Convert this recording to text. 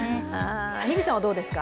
日比さんはどうですか。